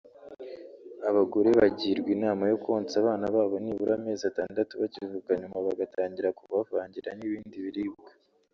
Abagore bagirwa inama yo konsa abana babo nibura amezi atandatu bakivuka nyuma bagatangira kubavangira n’ibindi biribwa